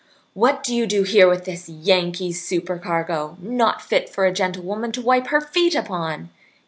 "What do you do here with this Yankee supercargo, not fit for a gentlewoman to wipe her feet upon?